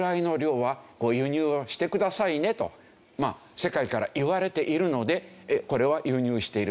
世界から言われているのでこれは輸入している。